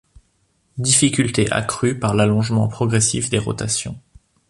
Difficulté accrue par l'allongement progressif des rotations.